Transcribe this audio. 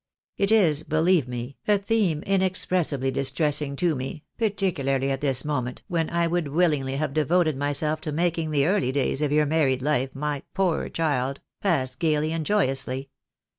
It is, believe me, a theme inexpressibly distressiog to me, particularly at this moment, when I would willingly have devoted myself to making the early days of your married life, my poor child, pass gaily and joyously.